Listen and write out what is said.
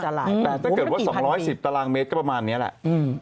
แต่ถ้าเกิดว่า๒๑๐ตารางเมตรก็ประมาณนี้ล่ะมันกี่พันปี